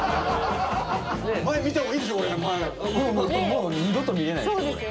もう二度と見れないですこれ。